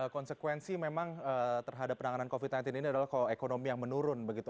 konsekuensi memang terhadap penanganan covid sembilan belas ini adalah ekonomi yang menurun begitu